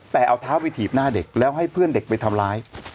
แต่เอาเท้าไปถีบหน้าเด็กแล้วให้เพื่อนเด็กไปทำร้าย